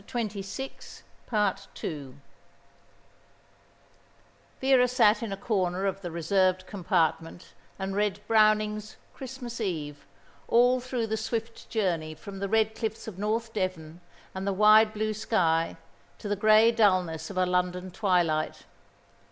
Vera sat in a corner of the reserved compartment and read Browning's "Christmas Eve" all though the swift journey from the red cliffs of North Devon and the wide, blue sky to the grey dullness of a London twilight.